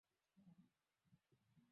Bi Juma anatengeneza kashata tamu.